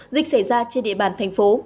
dịch xảy ra trên địa bàn thành phố